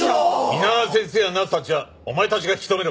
皆川先生やナースたちはお前たちが引き留めろ。